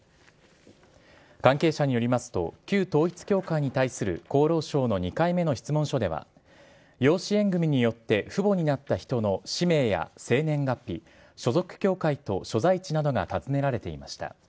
関係者によりますと、旧統一教会に対する厚労省の２回目の質問書では、養子縁組みによって父母になった人の氏名や生年月日、所属教会と所在地などが尋ねられていました